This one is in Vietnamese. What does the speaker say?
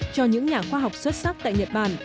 cho những nhà khoa học xuất sắc tại nhật bản